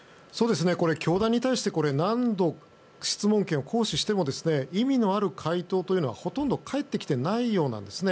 教団に対して何度質問権を行使しても意味のある回答というのはほとんど返ってきていないようなんです。